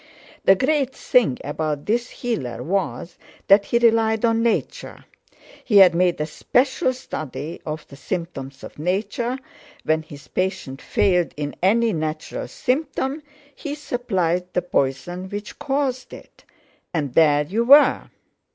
The great thing about this healer was that he relied on Nature. He had made a special study of the symptoms of Nature—when his patient failed in any natural symptom he supplied the poison which caused it—and there you were!